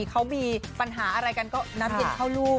เขามีปัญหาอะไรกันก็น้ำเย็นเข้าลูก